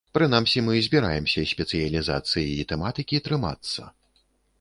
Прынамсі мы збіраемся спецыялізацыі і тэматыкі трымацца.